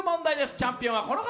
チャンピオンはこの方。